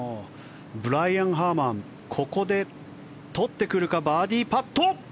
ブライアン・ハーマンここで取ってくるかバーディーパット。